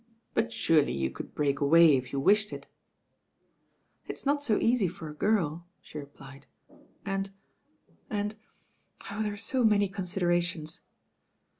"But turely you could break away if you wiahed "It'a not to easy for m girl,'* she repUcd, "and and— oh, there are to many considerationa.